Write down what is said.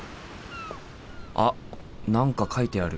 あっ何か書いてある。